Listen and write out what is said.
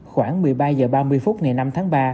khoảng một mươi ba h ba mươi phút ngày năm tháng ba